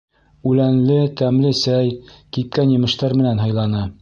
Үләнле тәмле сәй, кипкән емештәр менән һыйланы.